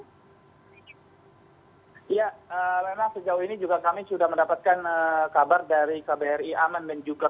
ya memang sejauh ini juga kami sudah mendapatkan kabar dari kbri aman dan juga